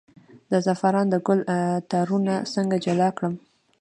د زعفرانو د ګل تارونه څنګه جلا کړم؟